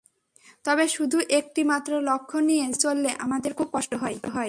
তবে শুধু একটিমাত্র লক্ষ্য নিয়ে জীবনে চললে আমাদের খুব কষ্ট হয়।